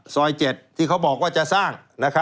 ๗ที่เขาบอกว่าจะสร้าง